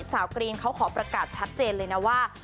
กรีนเขาขอประกาศชัดเจนเลยนะว่า